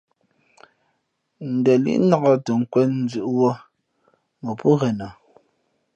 Ndα līʼ nak tα nkwēn zʉ̌ʼ wūᾱ mα pō ghenα.